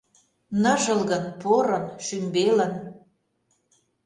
Ныжылгын, порын, шӱмбелын —